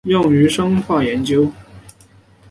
用于生化研究。